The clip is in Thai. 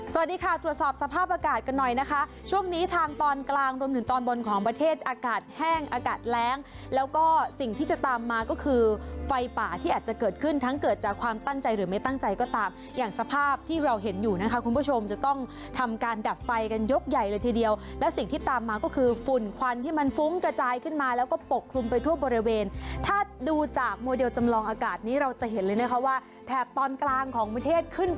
สวัสดีค่ะสวัสดีค่ะสวัสดีค่ะสวัสดีค่ะสวัสดีค่ะสวัสดีค่ะสวัสดีค่ะสวัสดีค่ะสวัสดีค่ะสวัสดีค่ะสวัสดีค่ะสวัสดีค่ะสวัสดีค่ะสวัสดีค่ะสวัสดีค่ะสวัสดีค่ะสวัสดีค่ะสวัสดีค่ะสวัสดีค่ะสวัสดีค่ะสวัสดีค่ะสวัสดีค่ะสวั